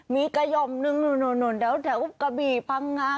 มีกระหย่อมนึงแถวกระบี่พังงา